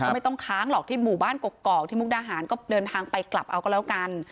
ไม่ต้องค้างหรอกที่หมู่บ้านกกอกที่มุกดาหารก็เดินทางไปกลับเอาก็แล้วกัน